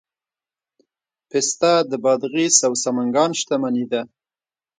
پسته د بادغیس او سمنګان شتمني ده.